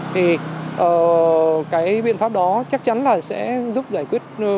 thì cái biện pháp đó chắc chắn là sẽ giúp giải quyết